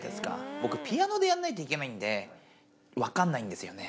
僕、ピアノでやらないといけないんで、分かんないんですよね。